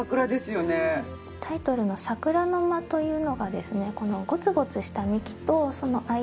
タイトルの『桜の間』というのがですね。